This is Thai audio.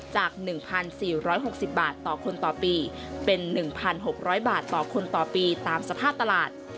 จาก๑๔๖๐บาทต่อคนต่อปีเป็น๑๖๐๐บาทต่อคนต่อปีตามสภาพตลาด